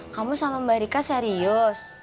kamu sama mbak rika serius